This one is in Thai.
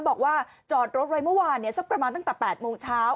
บอกว่าจอดรถไว้เมื่อวานสักประมาณตั้งแต่๘โมงเช้า